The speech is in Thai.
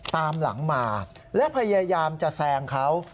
ตามหลังมาและพยายามจะแซงเขา